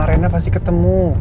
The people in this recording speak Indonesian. rena pasti ketemu